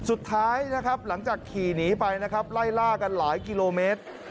สุดท้ายนะครับหลังจากขี่หนีไปนะครับไล่ล่ากันหลายกิโลเมตร